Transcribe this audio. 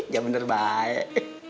gak bener baik